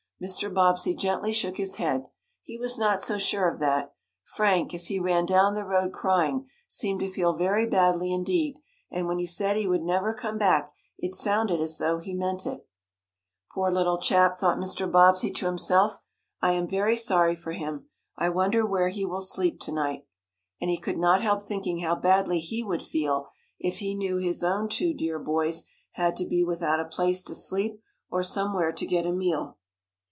Mr. Bobbsey gently shook his head. He was not so sure of that. Frank, as he ran down the road, crying, seemed to feel very badly indeed, and when he said he would never come back it sounded as though he meant it. "Poor little chap!" thought Mr. Bobbsey to himself. "I am very sorry for him. I wonder where he will sleep to night?" And he could not help thinking how badly he would feel if he knew his own two dear boys had to be without a place to sleep, or somewhere to get a meal.